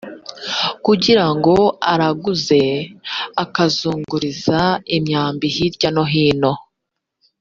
kugira ngo araguze akazunguriza imyambi hirya no hino